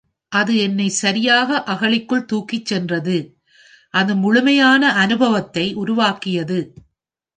அது என்னை சரியாக அகழிக்குள் தூக்கிச் சென்றது; அது முழுமையான அனுபவத்தை உருவாக்கியது.